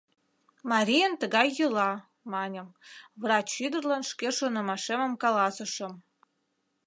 Марийын тыгай йӱла! — маньым, врач ӱдырлан шке шонымашемым каласышым.